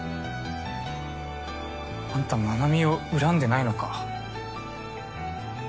あんた真奈美を恨んでないのか？